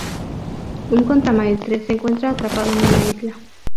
Un contramaestre se encuentra atrapado en una isla.